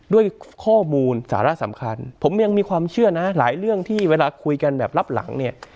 ด้วยข้อมูลสาระสำคัญผมยังมีความเชื่อนะหลายเรื่องที่เวลาคุยกันแบบรับหลังเนี่ย